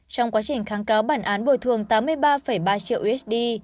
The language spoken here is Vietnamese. trong quá trình kháng cáo bản án bồi thường tám mươi ba ba triệu usd